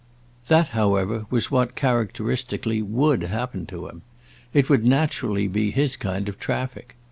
That, however, was what, characteristically, would happen to him. It would naturally be his kind of traffic.